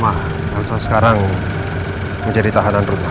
mah elsa sekarang menjadi tahanan rumah